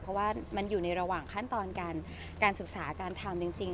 เพราะว่ามันอยู่ในระหว่างขั้นตอนการศึกษาการทำจริง